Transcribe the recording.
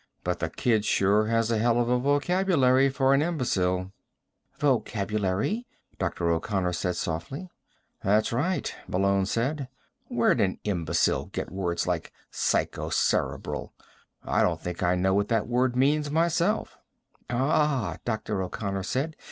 "But the kid sure has a hell of a vocabulary for an imbecile." "Vocabulary?" Dr. O'Connor said softly. "That's right," Malone said. "Where'd an imbecile get words like 'psychocerebral'? I don't think I know what that means, myself." "Ah," Dr. O'Connor said.